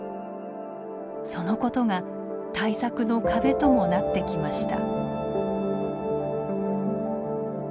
そのことが対策の壁ともなってきました。